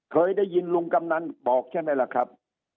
เคยได้ยินลุงกำนันบอกใช่ไหมล่ะครับ